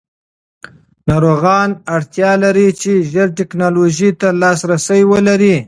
ناروغان اړتیا لري چې ژر ټېکنالوژۍ ته لاسرسی ولري.